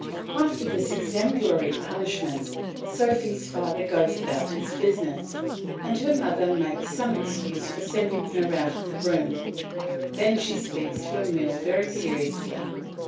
After this exemplary punishment, Sophy's father goes about his business, and her mother makes some excuse for sending her out of the room; then she speaks to Emile very seriously.